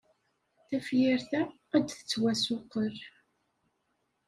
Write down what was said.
Tafyirt-a ad d-tettwassuqqel.